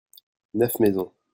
neuf maisons.